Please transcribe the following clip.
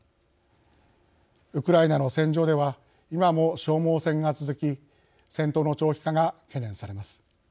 ウクライナの戦場では今も消耗戦が続き戦闘の長期化が懸念されます。